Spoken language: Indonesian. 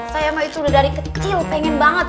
saya mah itu udah dari kecil pengen banget